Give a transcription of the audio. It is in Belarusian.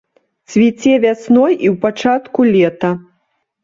Цвіце вясной і ў пачатку лета.